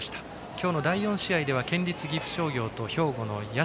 今日の第４試合では県立岐阜商業と兵庫の社。